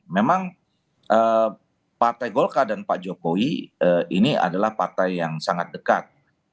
memang partai golkar dan pak jokowi ini adalah partai yang sangat dekat